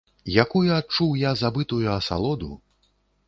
Якую адчуў я забытую асалоду!